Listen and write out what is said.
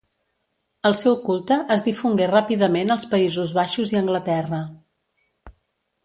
El seu culte es difongué ràpidament als Països Baixos i Anglaterra.